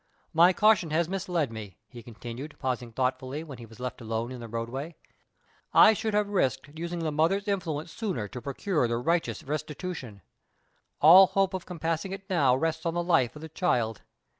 "My caution has misled me," he continued, pausing thoughtfully when he was left alone in the roadway. "I should have risked using the mother's influence sooner to procure the righteous restitution. All hope of compassing it now rests on the life of the child.